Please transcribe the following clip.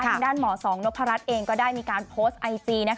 ทางด้านหมอสองนพรัชเองก็ได้มีการโพสต์ไอจี